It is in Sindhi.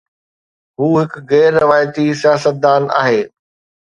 هو هڪ غير روايتي سياستدان آهي.